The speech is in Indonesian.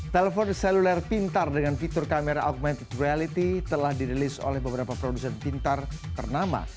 telepon seluler pintar dengan fitur kamera augmented reality telah dirilis oleh beberapa produsen pintar ternama